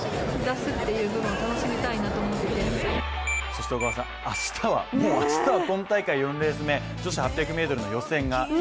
そして明日は今大会４レース目、女子８００ｍの予選が。